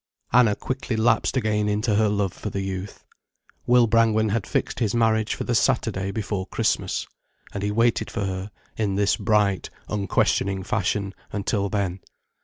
Anna quickly lapsed again into her love for the youth. Will Brangwen had fixed his marriage for the Saturday before Christmas. And he waited for her, in his bright, unquestioning fashion, until then.